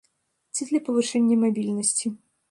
Ці для павышэння мабільнасці.